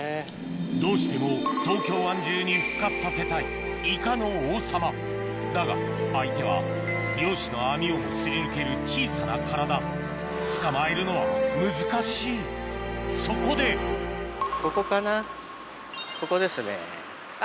どうしても東京湾中に復活させたいイカの王様だが相手は漁師の網をも擦り抜ける小さな体捕まえるのは難しいそこでここかなここですね。